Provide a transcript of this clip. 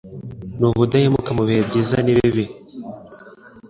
Nubudahemuka mubihe byiza nibibi.